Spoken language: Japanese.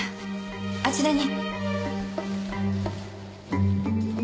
あちらに。